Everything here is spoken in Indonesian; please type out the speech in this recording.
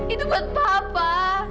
itu buat papa